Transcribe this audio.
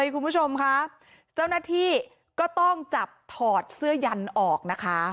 คุณผู้ชมค่ะเจ้าหน้าที่ก็ต้องจับถอดเสื้อยันออกนะคะ